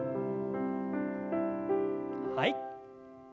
はい。